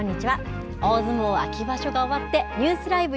大相撲秋場所が終わって、ニュースＬＩＶＥ！